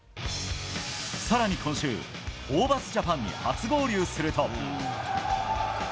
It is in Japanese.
さらに今週、ホーバスジャパンに初合流すると。